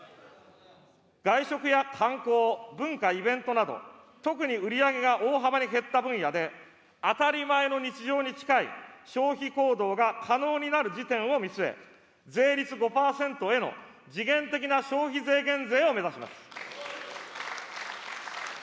外食や観光、文化・イベントなど、特に売り上げが大幅に減った分野で、当たり前の日常に近い消費行動が可能になる時点を見据え、税率５％への時限的な消費税減税を目指します。